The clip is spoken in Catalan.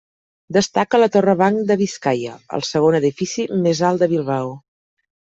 Destaca la Torre Banc de Biscaia, el segon edifici més alt de Bilbao.